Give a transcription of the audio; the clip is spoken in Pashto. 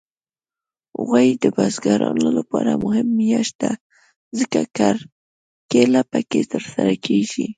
غویی د بزګرانو لپاره مهمه میاشت ده، ځکه کرکیله پکې ترسره کېږي.